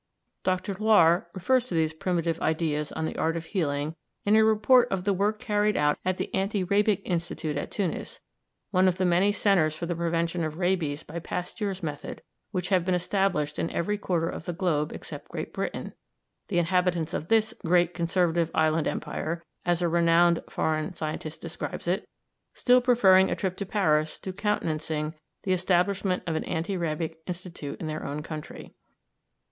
Dr. Loir refers to these primitive ideas on the art of healing in a report of the work carried out at the Anti rabic Institute at Tunis, one of the many centres for the prevention of rabies by Pasteur's method which have been established in every quarter of the globe except Great Britain, the inhabitants of this "great conservative island Empire," as a renowned foreign scientist describes it, still preferring a trip to Paris to countenancing the establishment of an anti rabic institute in their own country.